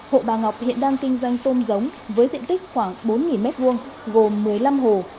hộ bà ngọc hiện đang kinh doanh tôm giống với diện tích khoảng bốn m hai gồm một mươi năm hồ